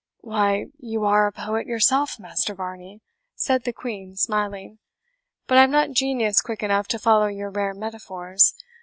"Why, you are a poet yourself, Master Varney," said the Queen, smiling. "But I have not genius quick enough to follow your rare metaphors.